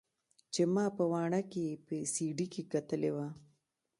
چې ما په واڼه کښې په سي ډي کښې کتلې وه.